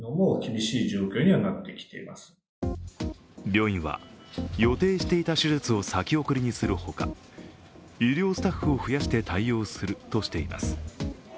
病院は予定していた手術を先送りにするほか医療スタッフを増やして対応するとしています。